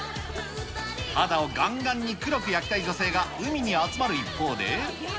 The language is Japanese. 肌をがんがんに黒く焼きたい女性が海に集まる一方で。